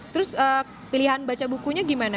terus pilihan baca bukunya gimana